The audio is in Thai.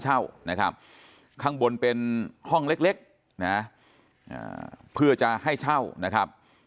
เช่านะครับข้างบนเป็นห้องเล็กนะเพื่อจะให้เช่านะครับ